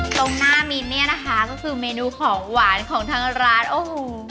ตรงหน้ามิ้นเนี่ยนะคะก็คือเมนูของหวานของทางร้านโอ้โห